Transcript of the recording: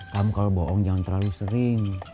kamu kalau bohong jangan terlalu sering